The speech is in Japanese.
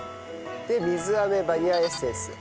で水飴バニラエッセンス。